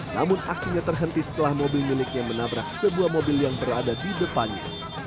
namun aksinya terhenti setelah mobil miliknya menabrak sebuah mobil yang berada di depannya